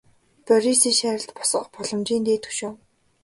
Борисын шарилд босгох боломжийн дээд хөшөө.